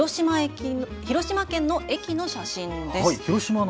広島県の駅の写真です。